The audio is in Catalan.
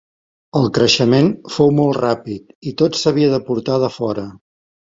El creixement fou molt ràpid i tot s'havia de portar de fora.